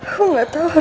kamu gak apa apa kan